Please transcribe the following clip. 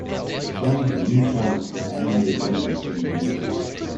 Show me the new showings for animated movies in the neighborhood